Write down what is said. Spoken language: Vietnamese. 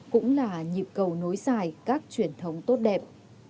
cũng là nhịp cầu nối dài các truyền thống tốt đẹp